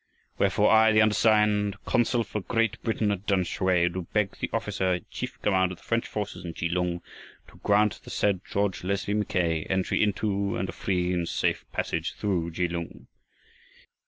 Wherefore I, the undersigned, consul for Great Britain at Tamsui, do beg the officer in chief command of the French forces in Kelung to grant the said George Leslie Mackay entry into, and a free and safe passage through, Kelung.